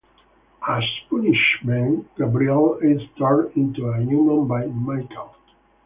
As punishment, Gabriel is turned into a human by Michael.